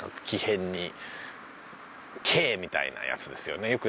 木偏に「圭」みたいなやつですよね。